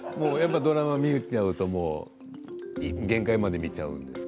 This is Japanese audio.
ドラマ見ちゃうと限界まで見ちゃうんですか？